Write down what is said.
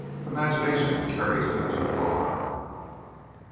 Imagination carries me too far.